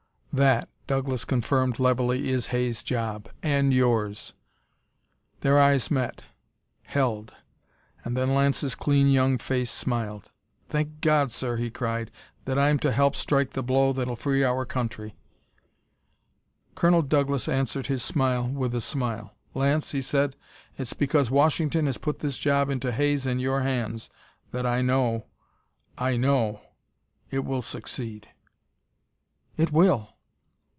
"That," Douglas confirmed levelly, "is Hay's job and yours." Their eyes met; held. And then Lance's clean young face smiled. "Thank God, sir," he cried, "that I'm to help strike the blow that'll free our country!" Colonel Douglas answered his smile with a smile. "Lance," he said, "it's because Washington has put this job into Hay's and your hands that I know I know it will succeed." "It will!"